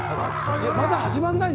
まだ始まんないの？